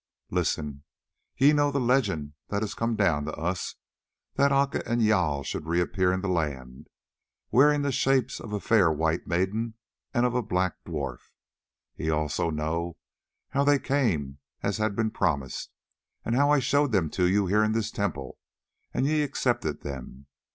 "Listen: ye know the legend that has come down to us, that Aca and Jâl should reappear in the land, wearing the shapes of a fair white maiden and of a black dwarf. Ye know also how they came as had been promised, and how I showed them to you here in this temple, and ye accepted them.